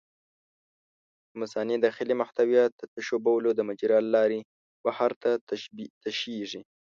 د مثانې داخلي محتویات د تشو بولو د مجرا له لارې بهر ته تشېږي.